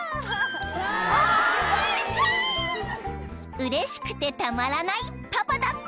［うれしくてたまらないパパだった］